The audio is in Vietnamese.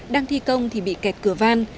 đang thi công thì bị kẹt cửa van